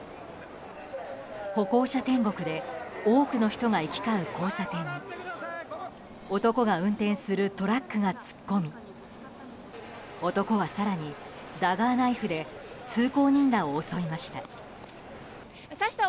歩行者天国で多くの人が行き交う交差点に男が運転するトラックが突っ込み男は、更にダガーナイフで通行人らを襲いました。